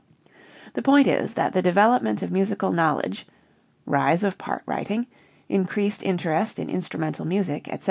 The point is that the development of musical knowledge (rise of part writing, increased interest in instrumental music, etc.)